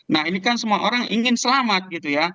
nah ini kan semua orang ingin selamat gitu ya